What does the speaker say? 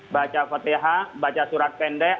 baca fatihah baca surat pendek